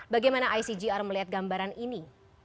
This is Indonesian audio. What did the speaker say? bagaimana icgr melihat gambaran ini